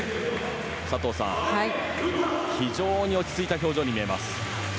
佐藤さん、非常に落ち着いた表情に見えます。